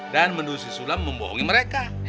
dan menurut si sulam membohongi mereka